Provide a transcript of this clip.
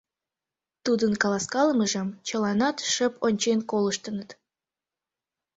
Тудын каласкалымыжым чыланат шып ончен колыштыныт.